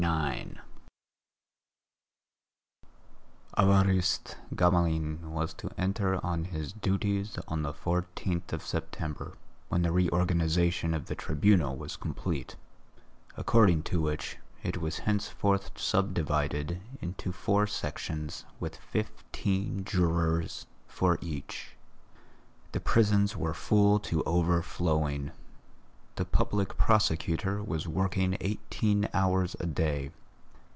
IX Évariste Gamelin was to enter on his duties on the 14th September, when the reorganization of the Tribunal was complete, according to which it was henceforth subdivided into four sections with fifteen jurors for each. The prisons were full to overflowing; the Public Prosecutor was working eighteen hours a day.